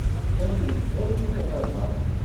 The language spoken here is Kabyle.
Qqim deg talwit a baba.